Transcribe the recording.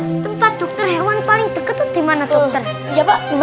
tempat dokter hewan paling deket tuh dimana dokter